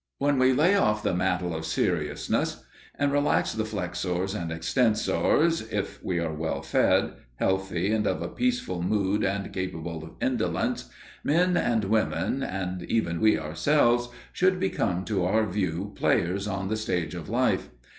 When we lay off the mantle of seriousness and relax the flexors and extensors, if we are well fed, healthy, and of a peaceful mood and capable of indolence, men and women, and even we ourselves, should become to our view players on the stage of life.